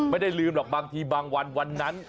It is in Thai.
ไม่ได้ลืมหรอกบางทีบางวันวันนั้น